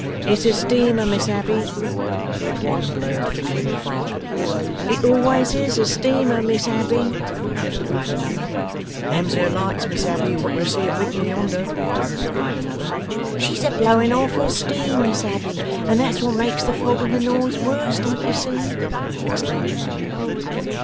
'It's a steamer, Miss Abbey,' cried one blurred figure in the fog. 'It always IS a steamer, Miss Abbey,' cried another. 'Them's her lights, Miss Abbey, wot you see a blinking yonder,' cried another. 'She's a blowing off her steam, Miss Abbey, and that's what makes the fog and the noise worse, don't you see?' explained another.